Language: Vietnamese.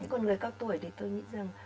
còn người cao tuổi thì tôi nghĩ rằng